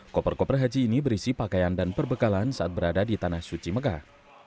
koper koper haji ini berisi pakaian dan perbekalan saat berada di tanah suci mekah